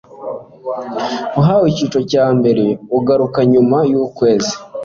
uhawe icyiciro cya mbere ugaruka nyuma y'ukwezi